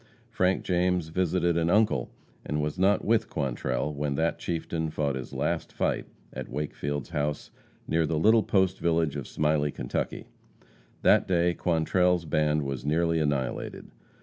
Frank James visited an uncle, and was not with Quantrell when that chieftain fought his last fight at Wakefield's house, near the little post village of Smiley, Kentucky. That day Quantrell's band was nearly annihilated.